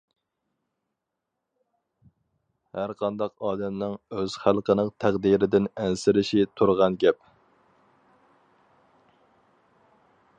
ھەرقانداق ئادەمنىڭ ئۆز خەلقىنىڭ تەقدىرىدىن ئەنسىرىشى تۇرغان گەپ.